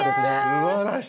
すばらしい！